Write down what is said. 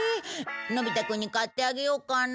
のび太くんに買ってあげようかな。